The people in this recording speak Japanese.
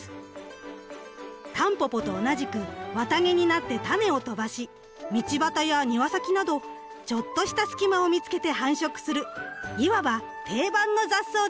タンポポと同じく綿毛になって種を飛ばし道端や庭先などちょっとした隙間を見つけて繁殖するいわば定番の雑草です。